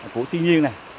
của thiên nhiên này